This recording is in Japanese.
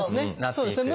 そうですね。